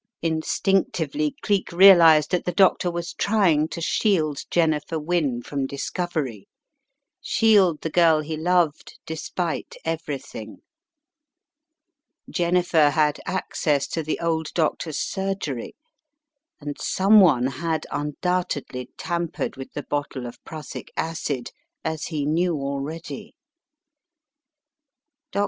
Instinctively Cleek realized that the doctor was trying to shield Jennifer Wynne from discovery, shield the girl he loved despite every thing. Jennifer had access to the old doctor's surgery, and someone had undoubtedly tampered with the bottle of prussic acid, as he knew already. Dr.